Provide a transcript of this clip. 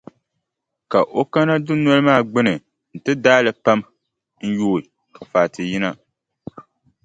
Ka o kana dunoli maa gbuni nti daai li pam n-yooi ka Fati yina.